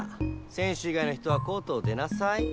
せん手い外の人はコートを出なさい。